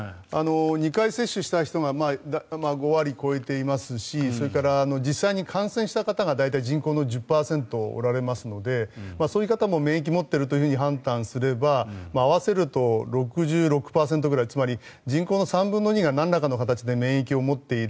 ２回接種した人が５割を超えていますしそれから実際に感染した人が人口の大体１０％おられますのでそういう方も免疫を持っていると判断すれば合わせると６６％くらいつまり人口の３分の２がなんらかの形で免疫を持っている。